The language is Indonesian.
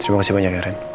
terima kasih banyak ya ren